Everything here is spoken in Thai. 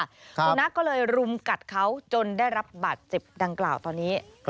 สุนัขก็เลยรุมกัดเขาจนได้รับบาดเจ็บดังกล่าวตอนนี้